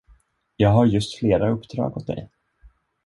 Jag har just flera uppdrag åt dig.